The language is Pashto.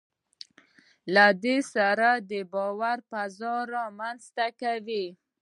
له دوی سره د باور فضا رامنځته کوي.